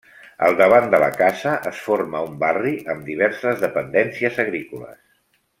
Al davant de la casa es forma un barri amb diverses dependències agrícoles.